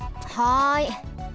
はい。